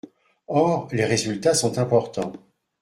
Or, les résultats sont importants.